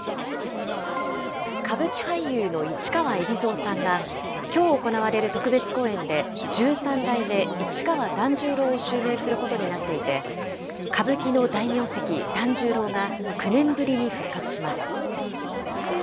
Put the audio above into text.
歌舞伎俳優の市川海老蔵さんが、きょう行われる特別公演で十三代目市川團十郎を襲名することになっていて、歌舞伎の大名跡、團十郎が９年ぶりに復活します。